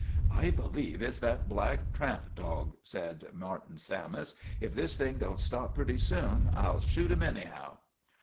" I believe it 's that black tramp dog," said Mar tin Sammis. ' If this thing don't stop pretty soon, I '11 shoot him anyhow."